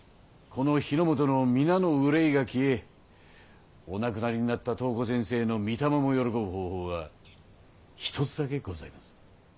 この日の本の皆の憂いが消えお亡くなりになった東湖先生の御霊も喜ぶ方法が一つだけございます。